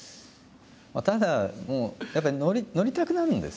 ただもうやっぱり乗りたくなるんですよね。